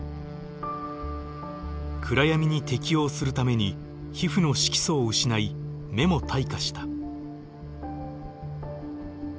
暗闇に適応するために皮膚の色素を失い目も退化した。